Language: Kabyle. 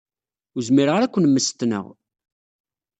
Ur zmireɣ ara ad ken-mmestneɣ.